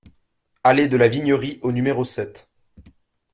Allée de la Vignerie au numéro sept